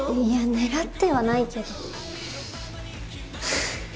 いや狙ってはないけど。